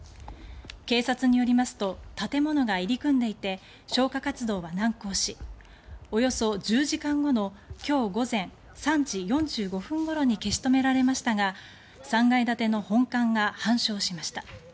警察によりますと建物が入り組んでいて消火活動は難航しおよそ１０時間後の今日午前３時４５分ごろに消し止められましたが３階建ての本館が半焼しました。